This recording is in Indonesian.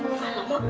enggak lah pak